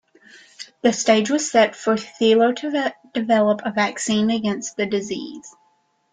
The stage was set for Theiler to develop a vaccine against the disease.